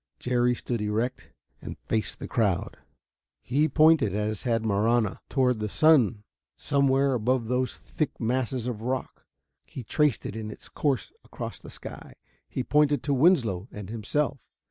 Jerry stood erect and faced the crowd. He pointed, as had Marahna, toward the sun somewhere above those thick masses of rock; he traced it in its course across the sky; he pointed to Winslow and himself.